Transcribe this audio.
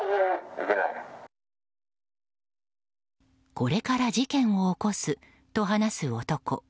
これから事件を起こすと話す男。